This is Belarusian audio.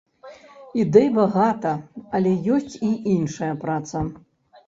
Ідэй багата, але ёсць і іншая праца.